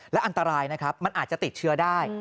และอันตรายนะครับมันอาจจะติดเชื้อได้